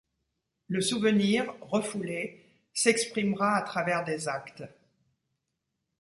Le souvenir, refoulé, s'exprimera à travers des actes.